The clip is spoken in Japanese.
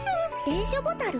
電書ボタル？